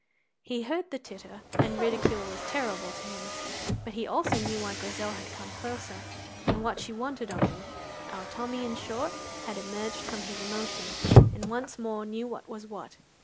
He heard the titter, and ridicule was terrible to him; but he also knew why Grizel had come closer, and what she wanted of him. Our Tommy, in short, had emerged from his emotion, and once more knew what was what.